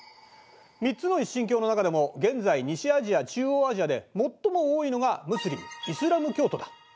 ３つの一神教の中でも現在西アジア中央アジアで最も多いのがムスリムイスラーム教徒だ。